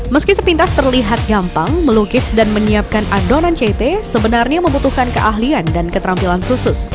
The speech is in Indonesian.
meski sepintas terlihat gampang melukis dan menyiapkan adonan ct sebenarnya membutuhkan keahlian dan keterampilan khusus